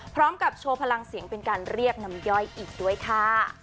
พร้อมกับโชว์พลังเสียงเป็นการเรียกน้ำย่อยอีกด้วยค่ะ